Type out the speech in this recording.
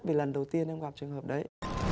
vì lần đầu tiên em gặp trường hợp đấy